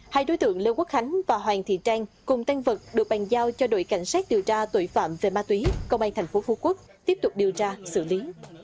hai đối tượng lê quốc khánh và hoàng thị trang cùng tan vật được bành giao cho đội cảnh sát điều tra tội phạm về ma túy công an tp phú quốc tiếp tục điều tra xử lý